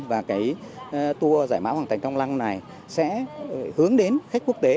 và cái tour giải mã hoàng thành trang long này sẽ hướng đến khách quốc tế